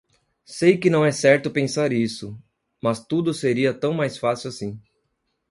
Sei que não é certo pensar isso, mas tudo seria tão mais facil assim.